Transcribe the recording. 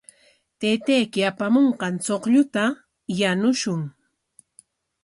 Taytayki apamunqan chuqlluta yanushun.